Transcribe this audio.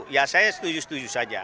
ya saya setuju setuju saja